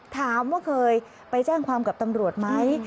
ถามว่าเคยไปแจ้งความกับตำรวจไหม